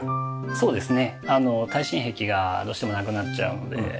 そうですね。